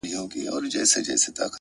• جاهلان مني خدایي د بندگانو ,